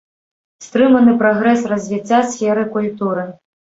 Стрыманы прагрэс развіцця сферы культуры.